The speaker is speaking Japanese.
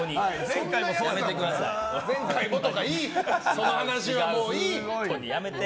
その話はもういい！